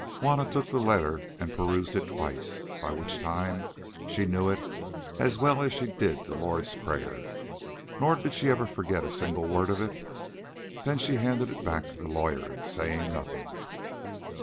Juanna took the letter and perused it twice, by which time she knew it as well as she did the Lord's Prayer, nor did she ever forget a single word of it. Then she handed it back to the lawyer, saying nothing.